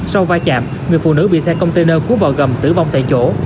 sau va chạm người phụ nữ bị xe container cú vợ gầm tử vong tại chỗ